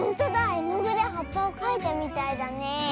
えのぐではっぱをかいたみたいだね。